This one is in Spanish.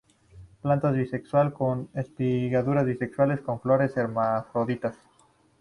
Plantas bisexual, con espiguillas bisexuales; con flores hermafroditas.